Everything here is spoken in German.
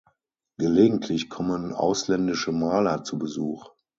Gelegentlich kommen ausländische Maler zu Besuch.